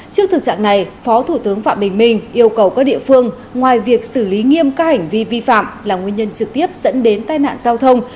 trước thực trạng này phó thủ tướng phạm bình minh yêu cầu các địa phương ngoài việc xử lý nghiêm các hành vi vi phạm là nguyên nhân trực tiếp dẫn đến tai nạn giao thông